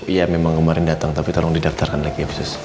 ya memang kemarin dateng tapi tolong didaftarkan lagi ya bu sus